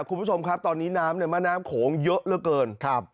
คุณผู้ชมครับตอนนี้น้ำในแม่น้ำโขงเยอะเหลือเกินครับ